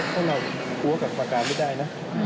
ถ้าเรากลัวกับประการไม่ได้นะ